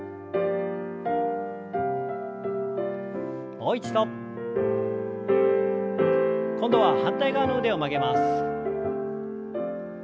もう一度。今度は反対側の腕を曲げます。